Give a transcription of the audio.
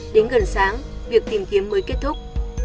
đến gần sáng việc tìm kiếm mới kết thúc